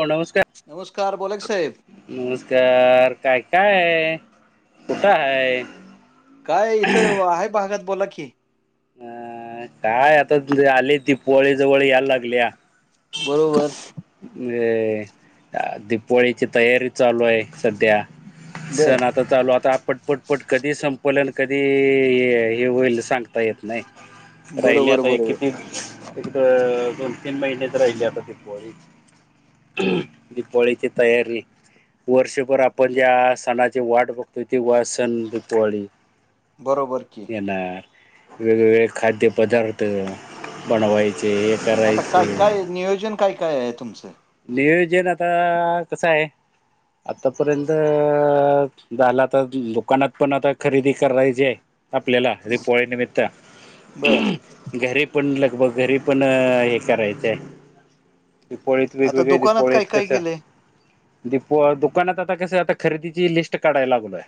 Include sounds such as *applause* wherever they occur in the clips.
हो नमस्कार नमस्कार बोला की साहेब नमस्कार काय काय आहे कुठं आहे? काय इथं आहे भागात बोला की अ काय आता दि आली दिपवाळी जवळ यायला लागलीया बरोबर अ दिीपावळीची तयारी चालू आहे सध्या बर सना ओझी तर चालू आता आपपटपटपट कधी संपलंन कधी हे होईल सांगता येत नाही राहिले बरोबर आता हे बरोबर किती येक दोन तीन महिनेच राहिली आता दिपवाळी. दिपावाळीची तयारी. वर्षभर आपण ज्या सणाची वाट बघतोय ती वा सण दिपवाळी. बरोबर की. येणार. वेगवेगळे खाद्य पदार्थ बनवायचे. आता करायचे काय काय? नियोजन काय काय आहे तुमचं नियोजन आता कसं आहे आतापर्यंत झाला आता तर दुकानात पण आता खरेदी करायची आहे आपल्याला रिपोळी निमित्त बर घरी पण लगभग घरी पण हे करायचंय आता वेगवेगळे्या दुकानात दिपावली काय आहेत काय कस केलंय दीप दुकानात आता कस आता खरेदीची लिस्ट काढायला लागलोय.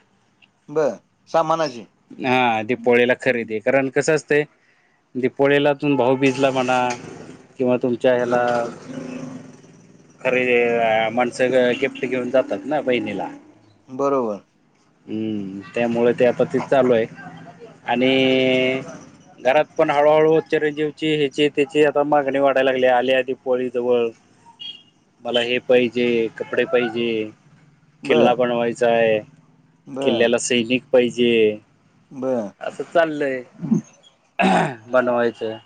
बरं सामानाची. हा दिपवाळीला खरेदी कारण कसं असतेय. दिपवाळीला तून भाऊबीजला म्हणा किंवा तुमच्या ह्याला खरेदी माणसं गिफ्ट घेऊन जातात ना बहिणीला. बरोबर. हम्म त्यामुळे ते आता त चालू आहे आणि घरात पण हळूहळू चिरंजीवची ह्याची त्याची आता मागणी वाढाय लागली आल्या दीपवाळीजवळ. मला हे पाहिजे कपडे पाहिजे बर किल्ला बनवायचा आहे. किल्ल्याला सैनिक पाहिजे. बरं. असं चाललय बनवायचं.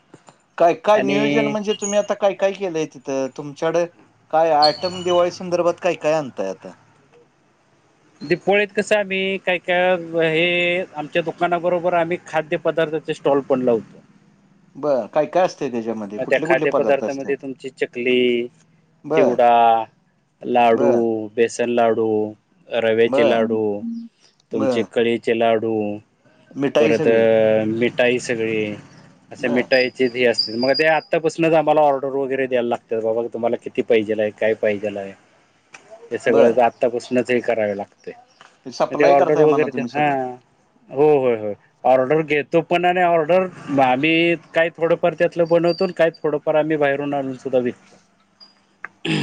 काय काय नियोजन आणि म्हणजे तुम्ही आता काय काय केलंय तिथं तुमच्याकड काय आयटम दिवाळीच संदर्भात काय काय अनतय आता. दिपवाळीत कसं आम्ही काय काय हे आमच्या दुकानाबरोबर आम्ही खाद्य पदार्थ स्टॉल पण लावतो. बरं काय काय अस त्याच्यामध्ये. मग त्या कुठले कुठले पदार्थ असतात खाद्यपदार्थामध्ये तुमची चकली बर चिवडा लाडू. बर बेसन लाडू रव्याचे बर लाडू तुमचे बर कळीचे लाडू. मिठाई परत अ सगळी मिठाई सगळी असे बर मिठाईची असते. मग ते आत्तापासूनच आम्हाला ऑर्डर वगैरे द्यायला लागतात बाबा तुम्हाला किती पाहिजेलय काय पाहिजेला आहे. हे सगळ बर आत्तापासूनच ह करावे लागत तय मग ते सप्लाय ऑर्डर करताय म्हणा वगैरे तुम्ही हा. सगळं हो होय होय ऑर्डर घेतो पण आणि ऑर्डर आम्ही काही थोडंफ त्या बवतून काय थोडंफार आम्ही बाहेरून आणून सुद्धा विकतो.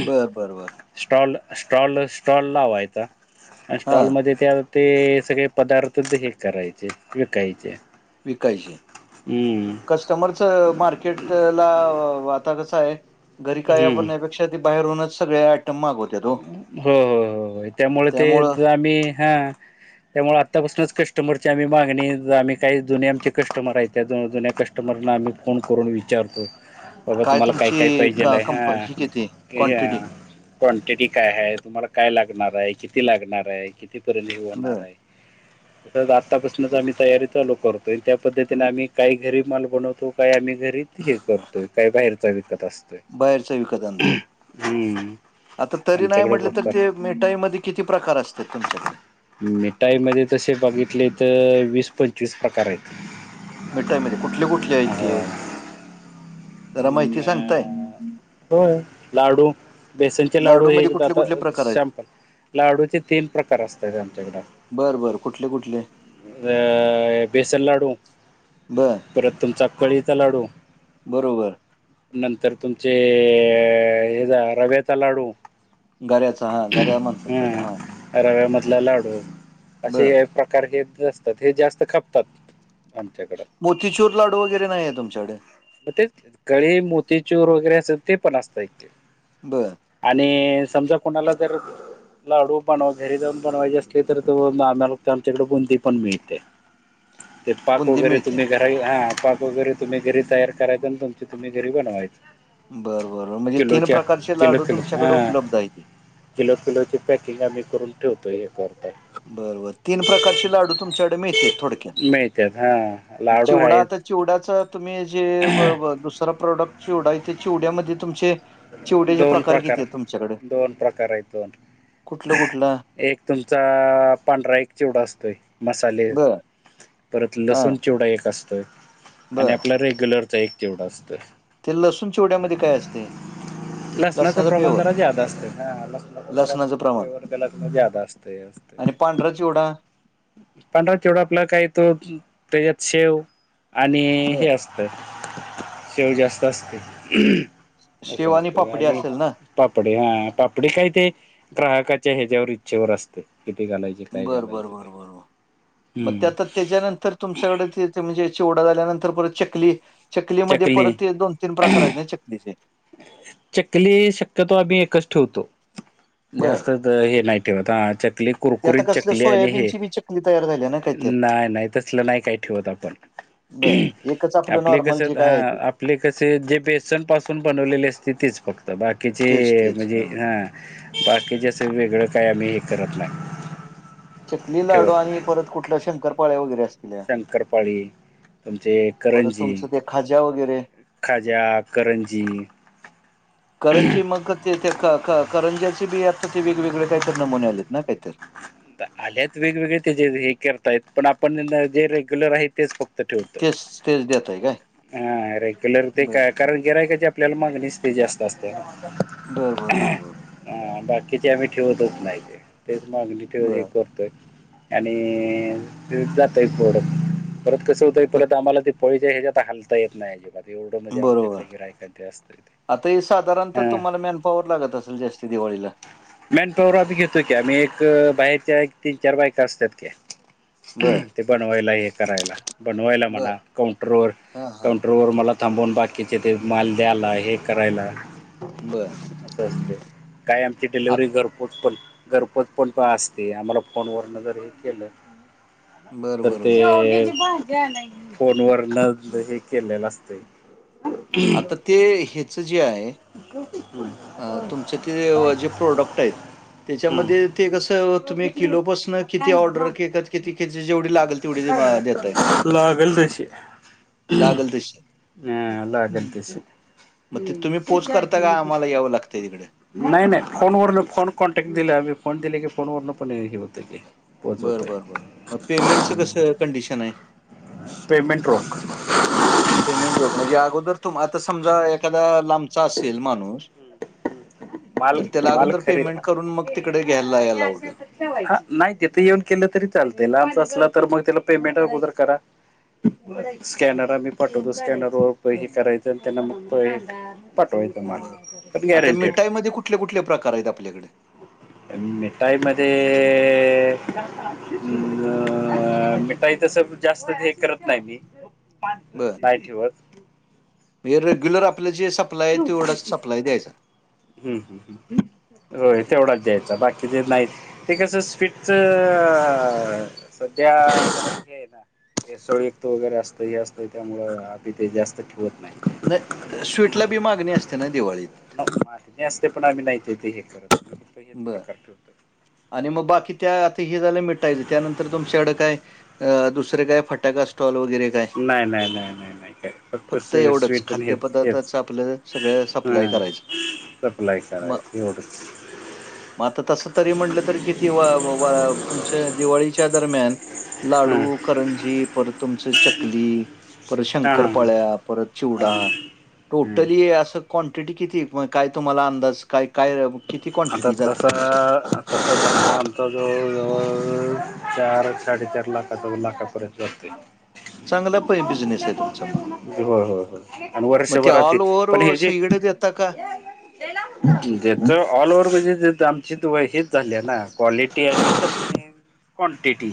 बरं बरं बरं. स्टॉल स्टॉल स्टॉल लावा्हायचा हा स्टॉलमध्ये त्या ते सगळे पदार्थ हे करायचे विकायचे. विकायचे हम्म कस्टमरच मार्केट ला व व आता कसं आहे घरी काय हम्म वापरण्यापेक्षा ती बाहेर होूनच सगळे आयटम मागवत हो हो हो त्यामुळे ते त्यामुळं ज आम्ही हा. त्यामुळे आतापासूनच कस्टमरची आम्ही मागणी आम्ही काही जुने आमचे कस्मर आहे त्या जु जुन्या कस् कस्टमरना आम्ही फोन करून विचारतो. बाबत तूमाल काय काय तुमची पाहिजेल का कंप हाय ही ह किती क क्वांटिटी क्वांटिटी काय आहे तुम्हाला काय लागणार आहे किती लागणार आहे कितीपर्यंत ह बर होणार आहे. तच आत्तापासूनच आम्ही तयारी चालू करतो आणि त्या पद्धतीने आम्ही काही घरी माल बनवतो काही आम्ही घरी हे करतोय काही बाहेरचा विकत असतो. बाहेरचा विकत आणताय आहे. हम्म आता तरी नाही आमच्याकडे म्हटले तर भरपूर ते मिठाईमध्ये किती प्रकार असत तुमच्याकडे. मिठाई मध्ये तसे बघितले तर वीस पंचवीस प्रकार आहेत. मिठाईमध्ये कुठले कुठले आहेत ते. जरा माहिती सांगताय ह् होय लाडू. बेसनचे लाडू हे मध्ये एक दा कुठले आता कुठले प्रकार आहेत सॅमपल, लाडूचे तीन प्रकार असतायेत आमच्याकडे बर बर कुठले कुठले अ, बेसन लाडू. बर परत तुमचा कळीचा लाडू. बरोबर. नंतर तुमचे हे जा रव्याचा लाडू. गर्याचा हा गर्या म्हनतात तेला हां. रव्या मधला लाडू बर असे हे पा कारण हेच असतात. हे जास्त खपतात आमच्या मोतीचूर लाडू वगैरे नाही आय तुमच्याकडे? तेच, कळी, मोतीचूर वगैरे असंल, ते पण असतय. बरं. आणि समजा कोणाला जर लाडू बण घरी जाऊन बनवायचे असले तर त आम्हाला आमच्याकडे बुंदी पण मिळते. ते पाक बुंदी वगैरे मिळते तुम्ही घ हा पाक वगैरे तुम्ही घरी तयार करायच, आणि तुमच तुम्ही घरी बनवायच. बरं बर म्हणजे तीन किलोच्या प्रकारचे किलो लाडू किलो हा तुमच्याकडे उपलब्ध हायती. किलो किलोची पॅकिंग आम्ही करून ठेवतोय, हे कर बर बर तीन प्रकारचे लाडू तुमच्याकडे मिळतय थोडक्यात. मिळत्यात हा मग लाडू चिवडा आता आहेत चिवड्याच तुम्ही जे दुसरा प्रोडक्ट चिवडा आहे ते चिवड्यामध्ये तुमचे चिवड्याचे प्रकार किती आहे तुमच्याकड? दोन प्रकार आहेत दोन कुठलं कुठलं? एक तुमचा पांढरा एक चिवडा असतोय. मसाले, बर परत हा लसूण चिवडा एक असतोय आणि बर आपला रेग्युलर च एक चिवडा असतोय. ते लसूण चिवड्यामध्ये काय असतय? लसणाचं प्रमाण जरा ज्यादा असतय. ह लसणाचा जरा लसणाचं प्रमाण फ्लेवर त्याला कणी ज्यादा असतय. आणि पांढरा चिवडा? पांढरा चिवडा आपला काय तो, त्याच्यात शेव आणि बर हे असत शेव जास्त असतय. शेव आणि पापडी असेल ना? पापडी हा. पापडी काय ते ग्राहकाच्या ह्याच्यावर इच्छेवर असतय किती घालायचे ते. काय बरं बरं घालायचे बरं बरं बर. मग हम्म त्या आता त्याच्यानंतर तुमच्याकडे ते ते म्हणजे चिवडा झाल्यानंतर परत चकली, चकलीमध्ये चकली परत ते दोन तीन प्रकार आहेत ना चकलीचे? चकली शक्यतो आम्ही एकच ठेवतो. बर जास्त हे नाही ठेवत ह चकली ते आता कुरकुरीत कसलं चकली आणि हे, सोयाबीनची बी चकली तयार झाली ना काहीतरी. नाय नाय तसल नाही का ठेवत आपण. बर एकच आपलं आपले कस नॉर्मल जे ह काय आहे ते आपले कसे जे बेसन पासून बनवलेले असते तेच फक्त. बाकीचे तेच तेच म्हणजे हा बाकी जे असं वेगळं काय आम्ही हे करत नाय. चकली लाडू आणि परत कुठल्या शंकरपाळ्या वगैरे असतील्या? शंकरपाळी तुमचे परत तुमचं ते खाज्या वगैरे? खाजा, करंजी करंजी मग ते ते क क -करंजीचे बी आता ते वेगवेगळे काहीतर नमुने आलेत ना कायतर? आल्यात वेगवेगळे त्या हे करतायत, पण आपण जे रेग्युलर आहेत तेच फक्त ठेवतोय. तेच तेच देताय काय? हा रेग्युलर ते बर काय कारण गिरायकाची का आपल्याला मागणीच ते जास्त असत्या. बर बर बर बर. हा बाकीचे आम्ही ठेवतच नाही ते. तेच मागणी ठेव हे बर करतोय. आणि जातय थोडं. परत कसं होतय मग परत आम्हाला ते दापोलीच्या हेज्यात हालता येत नाही अजिबात एवढं म्हजे बरोबर. आमच्याकडे गिरायक ते असत्याती. आता हे साधारणता तुम्हाला मॅनपाॉवर लागत असेल जास्ती दिवाळीला. मॅन पॉवर आम्ही घेतो की, आम्ही एक बाहेरच्या तीन चार बायका असत्यात की. बर ते बनवायला हे करायला. बनवायला बर म्हणा, काउंटरवर हा हा काउंटरवर मला थांबून बाकीचे ते माल द्याला, हे करायला. बरं. अस असतय. काय आमची डिलिव्हरी घरपोच पण, घरपोच पण असते. आम्हाला फोन वर्ण जर हे केलं, बर तर बर बर ते फोन वर्ण हे केलेलं असतय. आता ते, ह्याचं जे आहे अं, तुमचं ते अं, जे प्रोडक्ट आहेत *unintelligible* त्याच्यामध्ये ते कसं तुम्ही किलोपासनं किती ऑर्डर घेतात किती केजी जेवढी लागल तेवढ ते देताय. लागल तशी. लागल तशी. हा लागलं तशी. मग ते तुम्ही पोच करता का, आम्हाला यावं लागतंय तिकड? नाही नाही फोनवर्ण, फोन कॉन्टॅक्ट दिला आम्ही फोन दिले की फोन वर्ण पण हे होत की. बरं पोहोचवतोय बरं बरं मग पेमेंटचं कसं कंडिशन आहे? पेमेंट रोख. पेमेंट रोक. म्हणजे अगोदर तुम आता समजा एखादा लांबचा असेल माणूस माल तर त्याला माल अगोदर खरेदी पेमेंट करून मग तिकडे घ्यायला यावं लागलं? हा नाही तिथे येऊन केलं तरी चालतय. लांबचा असलं तर मग त्याला पेमेंट अगोदर करा. स्कॅनर आम्ही पाठवतो. स्कॅनर वर हे करायचं आणि त्यांना मग पाटवाय तुम्हांला. तर गॅर मिठाई मध्ये कुठले कुठले प्रकार आहेत आपल्याकड? *inaudible* मिठाईमध्ये- मिठाई तस जास्त हे करत नाही मी, नाही ठेवत. म्हणजे रेग्युलर आपलं जे सप्लाय आहे, तेवढच सप्लाय द्यायचा. हम्म हम्म होय तेवढाच द्यायचा, बाकी ज नाही ते कस स्वीटच, सध्या हे हाय ना भेसळ युक्त वैगरे असतं हे असतंय, त्यामुळ आम्ही ते जास्त ठिवत नाही. स्वीटला बी मागणी असते ना दिवाळीत. मागणी असते पण आम्ही नाही ते हे करत, आम्ही हेच बर प्रकार आणि मग बाकी त्या आता हे झालं मिठायचं. त्यानंतर तुमच्याकडं काय अ -दुसरे काय फटाका स्टॉल वगैरे काय. नाही नाही नाही नाही नाही काय फक्त स्वी एवढंच स्वीट आणि खाद्य हेच हेच पदार्थाच आपलं सगळ सप्लाय हां करायचं. सप्लाय मग करायच एवढंच. मग आता तस तरी म्हटलं तर, किती वा वा -तुमच्या दिवाळीच्या दरम्यान हां लाडू, करंजी परत तुमचं चकली. परत हां हां शंकरपाळ्या, परत चिवडा. हां हां हं टोटली असं क्वांटिटी किती, काय तुम्हाला अंदाज काय काय किती आता क्वांटिटी तस जाते तुमची? तसंच आमचा जवळ जवळ चार साडेचार लाख *unintelligible* लाखा पर्यंत जातय. चांगला प बिझनेस आहे तुमचा मग. होय होय होय आणि वर्षभरातील, पण हेजी तक जेच ऑल ओवर म्हणजे आमची *unintelligible* झाल्या ना. क्वालिटी *unintelligible* ते कस क्वांटिटी.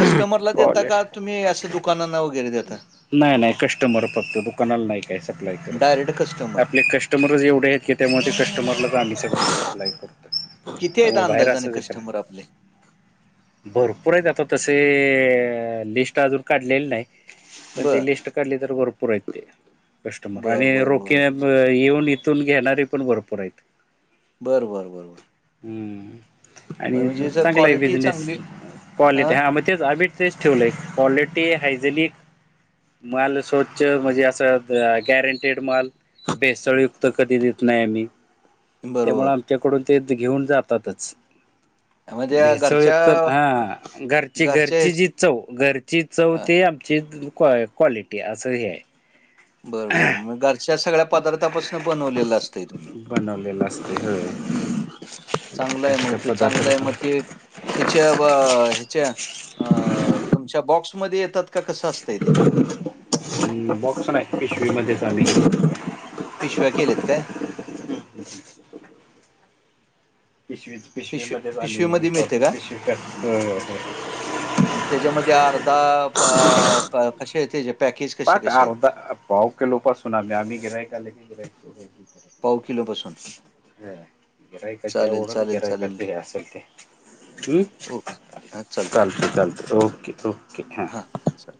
कस्टमरला देता का तुम्ही असं दुकानांना वगैरे देता? नाही नाही कष्टमर फक्त बघ कोणाला नाही काय सप्लाय डायरेक्ट करत. कस्टमर. आपले कस्ट कस्टमरच एवढे आहेत की त्यामुळे ते कस्टमरला आम्ही सगळ बरं. अप्लाय करतो. किती आहेेत त्यामुळे बाहेर अंदाजाने असंच करा कस्टमर आपले भरपूर आहेत आता तसे लिस्ट अजून काढलेली नाय. पण ते बरं. लिस्ट काढली तर भरपूर आहेत ते कस्टमर बरं, आणि बरं, रोके बरं. अ येऊन इथून घेणारे पण भरपूर हाईत. बरं बरं बरं बरं. हम्म म- आणि म्हणजे जर चांगला आहे क्वालिटी बिजनेस चांगली आ क्वालिटी हा म तेच आबीट तेचं ठेवलंय क्वालिटी हायजेनिक माल स्वच्छ म्हणजे असं गॅरंटेड माल भेसळयुक्त कधी देत नाय आम्ही त्यामुळ बरोबर. आमच्याकडून ते घेऊन जातातच. म्हणजे या घरच्या भेसळयुक्त हां घरची घरच्या घरची हेच जी चव घरची चव हां. ते आमची क्वा क्वालिटी असं हे आहे. बरं बरं म घरच्या सगळ्या पदार्थपासन बनवलेलं असतंय तुम्ही बनवलेलं असतंय होय. चांगलं आहे म ते चांगलं आहे म ते त्येच्या ब ह्याच्या अ तुमच्या बॉक्समध्ये येतात का कसं असतंय ते हं बॉक्स नाय पिशवी मध्येच आम्ही पिशव्या केलेत काय. पिशवी पिशवी मध्येचं आम्ही हे पिशवीमध्ये मिळते करतो का? पिशवीतच भ म त्याच्यामध्ये अर्धा पाव कसे आहे त्येज्यात पाक अर्धा पाव किलो पासून आम्ही आम्ही गिऱ्हाईक आले की आम्ही गिराईक पाव किलोपासून ह चालेल, गिरायकाच्यावरून चालेल, चालेल. गिरायकाचे हे असल ते ओके हा चल चालतं चालतं ओके ओके. हां चल.